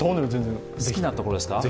好きなところですか？